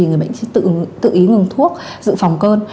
người bệnh sẽ tự ý ngừng thuốc dự phòng cơn